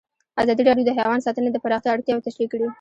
ازادي راډیو د حیوان ساتنه د پراختیا اړتیاوې تشریح کړي.